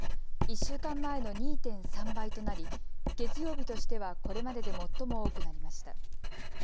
１週間前の２．３倍となり月曜日としてはこれまでで最も多くなりました。